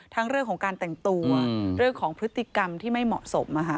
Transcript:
เรื่องของการแต่งตัวเรื่องของพฤติกรรมที่ไม่เหมาะสม